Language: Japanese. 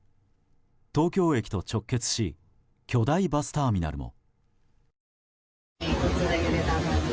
東京駅と直結し巨大バスターミナルも。